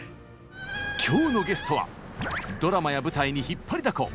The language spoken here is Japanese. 今日のゲストはドラマや舞台に引っ張りだこ！